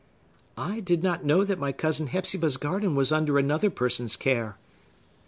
"I did not know that my cousin Hepzibah's garden was under another person's care."